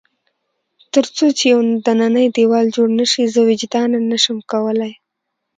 تر څو چې یو دننی دېوال جوړ نه شي، زه وجداناً نه شم کولای.